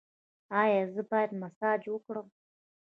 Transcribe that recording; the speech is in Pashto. ایا زه باید مساج وکړم؟